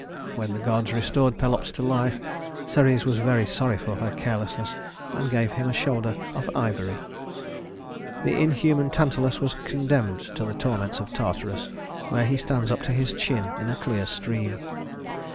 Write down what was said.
When the gods restored Pelops to life, Ceres was very sorry for her carelessness and gave him a shoulder of ivory. The inhuman Tantalus was condemned to the torments of Tartarus, where he stands up to his chin in a clear stream.